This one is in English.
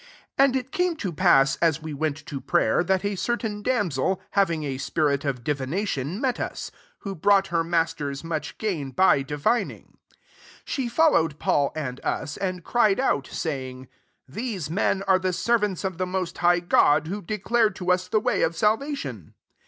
16 And it came to pass, as we went to prayer, that a certain damsel, having a spirit of di .vination, met us; who brought her masters much gain by di vining. 17 She followed Paul and us, and cried out, saying, These men are the servants of the most high God, who de clare to us the way of salvation."